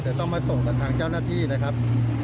แต่ต้องมาส่งกับทางเจ้าหน้าที่นะครับ